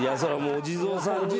お地蔵さんです。